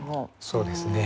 そうですね。